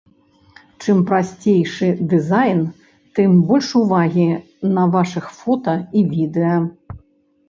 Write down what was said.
Чым прасцейшы дызайн, тым больш увагі на вашых фота і відэа.